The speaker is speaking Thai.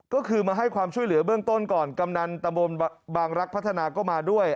ก็คือมาให้ความช่วยเหลือเบื้องต้นก่อนกำนันตะบนบางรักพัฒนาก็มาด้วย